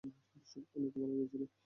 অনেকে মারা গিয়েছিল!